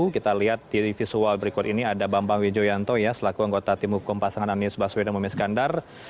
kita lihat di visual berikut ini ada bambang widjo yanto ya selaku anggota tim hukum pasangan anies baswedan momis kandar